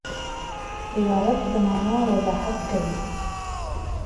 عبارت د مانا وضاحت کوي.